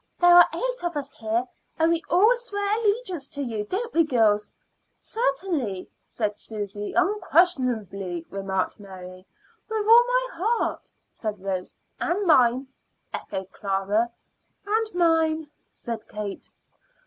"There are eight of us here, and we all swear allegiance to you. Don't we, girls?" "Certainly," said Susy. "Unquestionably," remarked Mary. "With all my heart," said Rose. "And mine," echoed Clara. "And mine," said Kate.